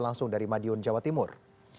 langsung dari madiun jawa timur